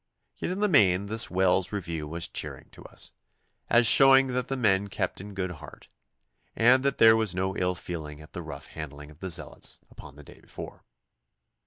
Yet in the main this Wells review was cheering to us, as showing that the men kept in good heart, and that there was no ill feeling at the rough handling of the zealots upon the day before.